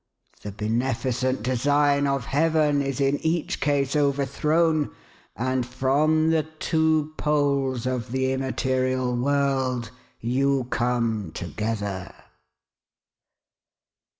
The beneficent design of Heaven is in each case, overthrown, and from the two poles of the im material world you come together."